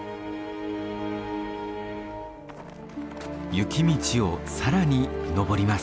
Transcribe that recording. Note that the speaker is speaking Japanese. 雪道を更に登ります。